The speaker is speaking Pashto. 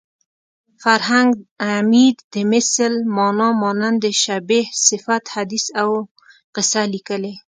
فرهنګ عمید د مثل مانا مانند شبیه صفت حدیث او قصه لیکلې